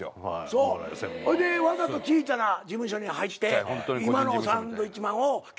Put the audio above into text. そうほいでわざとちいちゃな事務所に入って今のサンドウィッチマンを築いたんですけども。